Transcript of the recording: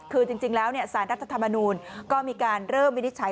คือจริงแล้วสารรัฐธรรมนูลก็มีการเริ่มวินิจฉัย